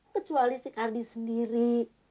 kecuali si kardi sendiri